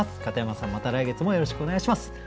片山さんまた来月もよろしくお願いします。